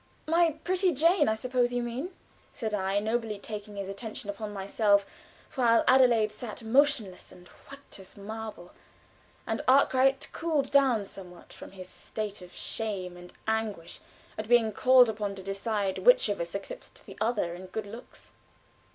"My pretty Jane, I suppose you mean," said I, nobly taking his attention upon myself, while Adelaide sat motionless and white as marble, and Arkwright cooled down somewhat from his state of shame and anguish at being called upon to decide which of us eclipsed the other in good looks.